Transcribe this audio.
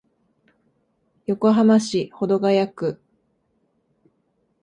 横浜市保土ケ谷区